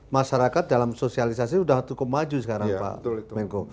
masyarakat dalam sosialisasi sudah cukup maju sekarang pak menko